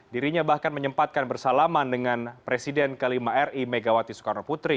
dirinya bahkan menyempatkan bersalaman dengan presiden ke lima ri megawati soekarno putri